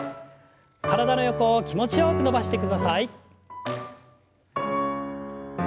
体の横を気持ちよく伸ばしてください。